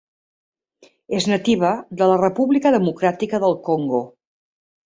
És nativa de la República Democràtica del Congo.